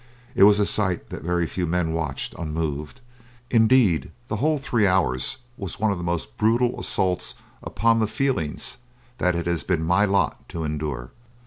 It was a sight that very few men watched unmoved. Indeed, the whole three hours was one of the most brutal assaults upon the feelings that it has been my lot to endure.